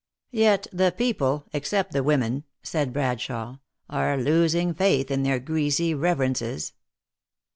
" Yet the people, except the women," said Brad shawe, " are losing faitli in their greasy reverences."